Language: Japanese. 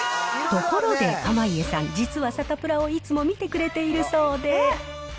ところで濱家さん、実はサタプラをいつも見てくれているそうで。